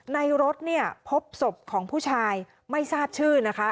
รถเนี่ยพบศพของผู้ชายไม่ทราบชื่อนะคะ